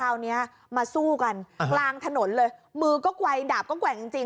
เนี้ยมาสู้กันกลางถนนเลยมือก็ไกลดาบก็แกว่งจริงจริง